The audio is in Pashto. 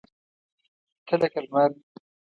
تۀ لکه لمر !